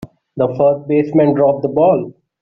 The first baseman dropped the ball.